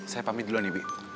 saya pamit dulu nih bu